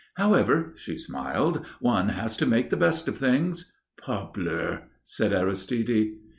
"However" she smiled "one has to make the best of things." "Parbleu," said Aristide.